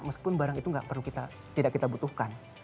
meskipun barang itu tidak kita butuhkan